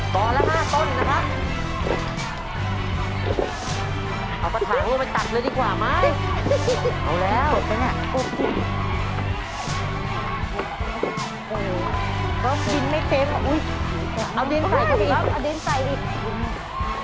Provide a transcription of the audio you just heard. พอแล้วห้าต้นนะครับเอากระถางด้วยไปตัดเลยดีกว่าไหม